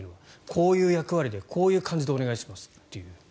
こういう役割で、こういう感じでお願いしますっていう。